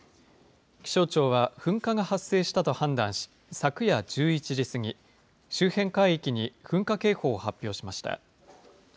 気象庁は噴火が発生したと判断し、昨夜１１時過ぎ、周辺海域に噴火警報を発表しました。